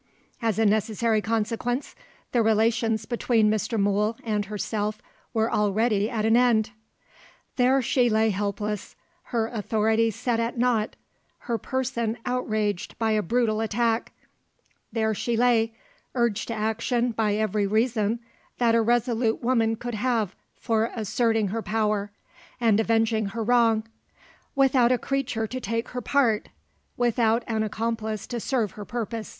As a necessary consequence, the relations between Mr. Mool and herself were already at an end. There she lay helpless her authority set at naught; her person outraged by a brutal attack there she lay, urged to action by every reason that a resolute woman could have for asserting her power, and avenging her wrong without a creature to take her part, without an accomplice to serve her purpose.